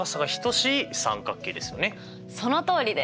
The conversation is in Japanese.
そのとおりです！